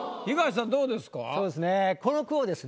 東さんどうですか？